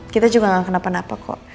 kita juga gak kenapa napa kok